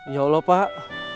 ya allah pak